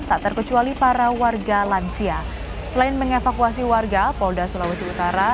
tak terkecuali para warga lansia selain mengevakuasi warga polda sulawesi utara